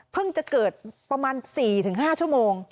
จะเกิดประมาณ๔๕ชั่วโมง